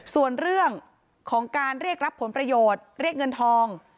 ส่วนเรื่องของการเรียกรับผลประโยชน์เรียกเงินทอง